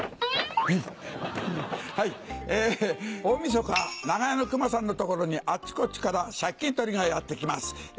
大みそか長屋の熊さんの所にあっちこっちから借金取りがやって来ます。